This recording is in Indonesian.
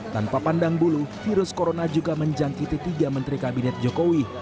tanpa pandang bulu virus corona juga menjangkiti tiga menteri kabinet jokowi